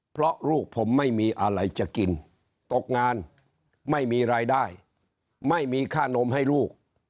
เพราะลูกผมไม่มีอะไรจะกินตกงานไม่มีรายได้ไม่มีค่านมให้ลูก